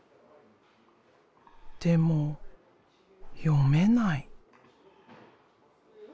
でも読めない。